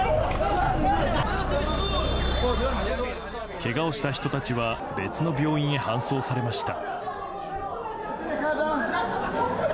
けがをした人たちは別の病院へ搬送されました。